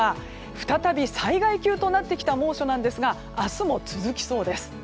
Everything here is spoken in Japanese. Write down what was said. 再び災害級となってきた猛暑ですが明日も続きそうです。